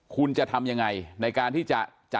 คุณจะทำยังไงในการที่จะ